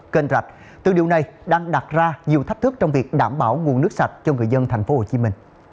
kênh rạch từ điều này đang đặt ra nhiều thách thức trong việc đảm bảo nguồn nước sạch cho người dân tp hcm